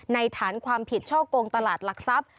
ฐานความผิดช่อกงตลาดหลักทรัพย์